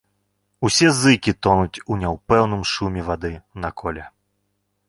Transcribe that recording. Усе зыкі тонуць у няўпынным шуме вады на коле.